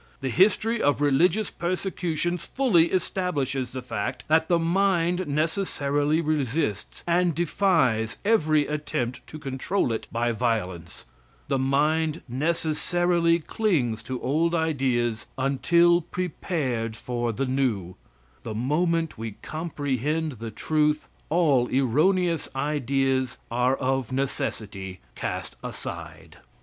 The history of religious persecutions fully establishes the fact that the mind necessarily resists and defies every attempt to control it by violence. The mind necessarily clings to old ideas until prepared for the new. The moment we comprehend the truth, all erroneous ideas are of necessity cast aside.